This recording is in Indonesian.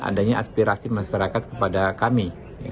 adanya aspirasi masyarakat kepada kami